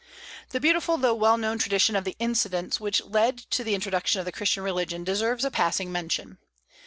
The beautiful though well known tradition of the incidents which led to the introduction of the Christian religion deserves a passing mention.